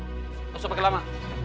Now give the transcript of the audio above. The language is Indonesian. tidak usah pakai lama